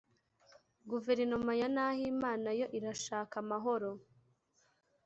Guverinoma ya Nahimana yo irashaka amahoro